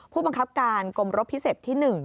ผู้บังคับการกรมรบพิเศษที่๑